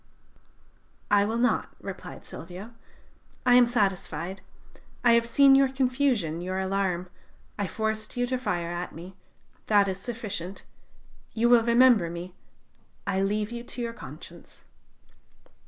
"'I will not,' replied Silvio: 'I am satisfied. I have seen your confusion, your alarm. I forced you to fire at me. That is sufficient. You will remember me. I leave you to your conscience.'